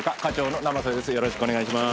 よろしくお願いします。